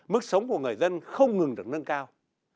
mức sống của người dân không ngừng được nâng cao